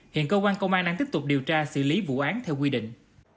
hiện cơ quan công an đang tiếp tục điều tra xử lý vụ án theo quy định